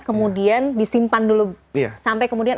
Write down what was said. kemudian disimpan dulu sampai kemudian